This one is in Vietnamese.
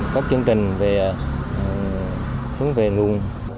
các chương trình về hướng về nguồn